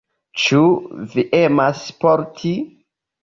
Ĉu vi emas sporti?